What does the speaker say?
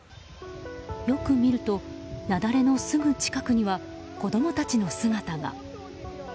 よく見ると、雪崩のすぐ近くには子供たちの姿が。